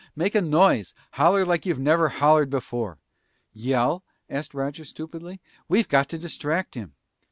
Make a noise! Holler like you've never hollered before!" "Yell?" asked Roger stupidly. "We've got to distract him!"